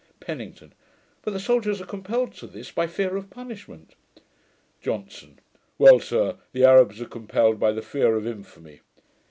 PENNINGTON. 'But the soldiers are compelled to this, by fear of punishment.' JOHNSON. 'Well, sir, the Arabs are compelled by the fear of infamy.'